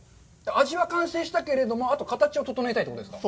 味は完成したけれども、あと、味を調えたいということですか。